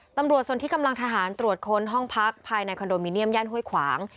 ตำรวจส่วนที่กำลังทหารตรวจค้นห้องพักภายในคอนโดมิเนียมย่านห้วยขวาง